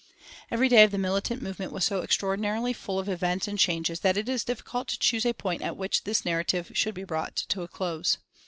Every day of the militant movement was so extraordinarily full of events and changes that it is difficult to choose a point at which this narrative should be brought to a close.